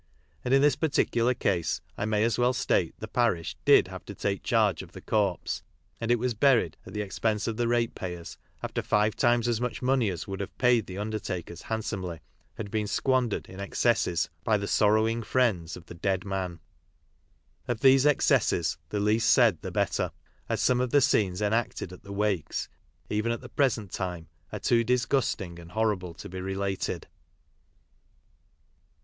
And in this particular case I may as well state the parish did have to take charge of the corpse, and it was buried at the ex pense of the ratepayers after five times as much money as would have pnid the under takers hand somely had been squandered in excesses by the | "sorrowing friet ds" of the dead man. Of these excesses the least said the better, as some of the scenes enacted at the wakes, even at the present time, are too disgusting and horrible to be related.